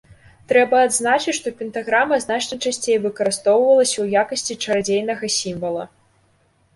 Трэба адзначыць, што пентаграма значна часцей выкарыстоўвалася ў якасці чарадзейнага сімвала.